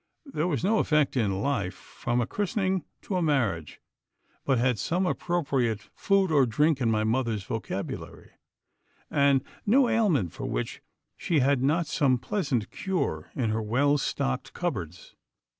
There was no event in life, from a christening to a marriage, but had some appropriate food or drink in my mother's vocabulary, and no ailment for which she had not some pleasant cure in her well stocked cupboards.